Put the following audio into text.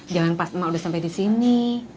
jangan pas emak udah sampai di sini